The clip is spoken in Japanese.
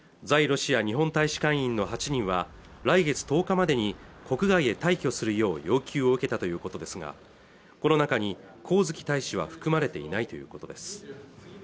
ロシア日本大使館員の８人は来月１０日までに国外へ退去するよう要求を受けたということですがこの中に上月大使は含まれていないということです